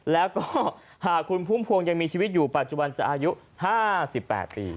แล้วก็หากคุณพุ่มพวงยังมีชีวิตอยู่ปัจจุบันจะอายุ๕๘ปี